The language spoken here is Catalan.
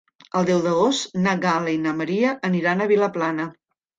El deu d'agost na Gal·la i na Maria aniran a Vilaplana.